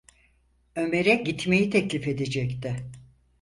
Ömer’e gitmeyi teklif edecekti.